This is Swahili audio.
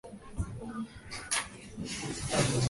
sheria ilitungwa mwaka elfu moja mia tisa sabini na nane